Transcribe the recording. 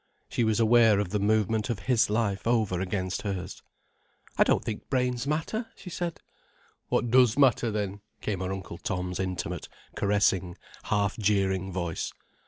She was aware of the movement of his life over against hers. "I don't think brains matter," she said. "What does matter then?" came her Uncle Tom's intimate, caressing, half jeering voice.